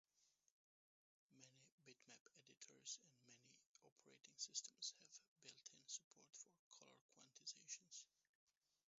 Most bitmap editors and many operating systems have built-in support for color quantization.